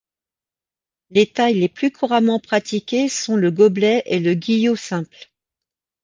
Les tailles les plus couramment pratiquées sont le gobelet et le guyot simple.